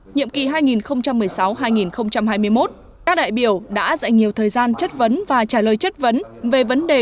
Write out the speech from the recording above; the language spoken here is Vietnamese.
nhiệm kỳ hai nghìn một mươi sáu hai nghìn hai mươi một các đại biểu đã dạy nhiều thời gian chất vấn và trả lời chất vấn về vấn đề